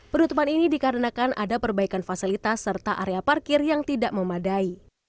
penutupan ini dikarenakan ada perbaikan fasilitas serta area parkir yang tidak memadai